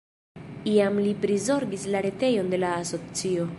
Iam li prizorgis la retejon de la asocio.